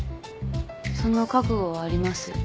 その覚悟はあります。